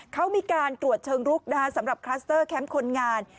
เขามีการตรวจเชิงลุกสำหรับคลัสเตอร์แคมป์คนงาน